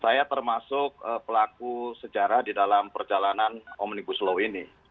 saya termasuk pelaku sejarah di dalam perjalanan omnibus law ini